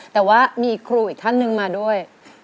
แต่ว่ามีครูอีกท่านหนึ่งมาด้วย